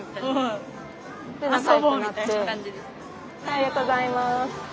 ありがとうございます。